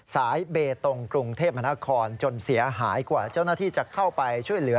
สายเบตงกรุงเทพมนาคมจนเสียหายกว่าเจ้าหน้าที่จะเข้าไปช่วยเหลือ